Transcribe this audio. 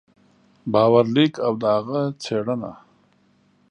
باور لیک او د هغه څېړنه